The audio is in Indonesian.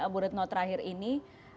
burutno terakhir ini